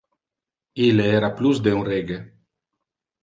Ille era plus de un rege.